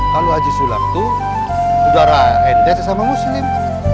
kalo haji sulam tuh saudara ente sesama muslim